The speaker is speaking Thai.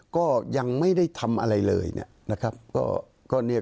ก็ยังไม่ได้ทำอะไรเลย